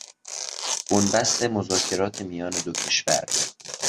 بن بست مذاکرات میان دو کشور